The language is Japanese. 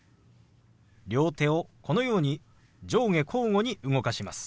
両手をこのように上下交互に動かします。